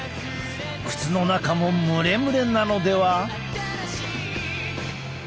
靴の中も蒸れ蒸れなのでは？